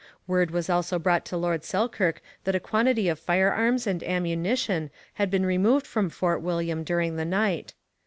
Word was also brought to Lord Selkirk that a quantity of firearms and ammunition had been removed from Fort William during the night.